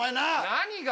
何が？